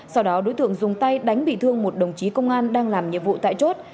sau đó đối tượng dùng tay đánh bị thương một đồng chí công an đang làm nhiệm vụ tại chốt